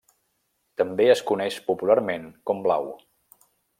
També es coneix popularment com blau.